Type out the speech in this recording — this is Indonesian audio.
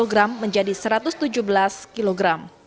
dua puluh dua kg menjadi satu ratus tujuh belas kg